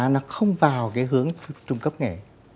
nó không vào cái hướng trung cấp nghề